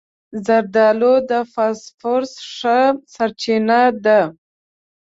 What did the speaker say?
زردالو د فاسفورس ښه سرچینه ده.